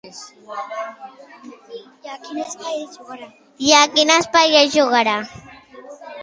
I a quin espai es jugarà?